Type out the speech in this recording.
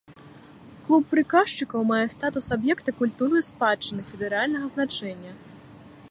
Клуб прыказчыкаў мае статус аб'екта культурнай спадчыны федэральнага значэння.